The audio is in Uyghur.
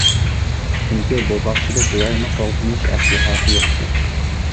چۈنكى بۇ باغچىدا بىرەرمۇ قوغدىنىش ئەسلىھەسى يوق ئىكەن.